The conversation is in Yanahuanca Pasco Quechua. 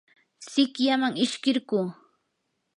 sikyaman ishkirquu.